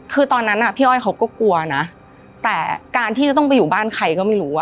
คือตอนนั้นพี่อ้อยเขาก็กลัวนะแต่การที่จะต้องไปอยู่บ้านใครก็ไม่รู้อ่ะ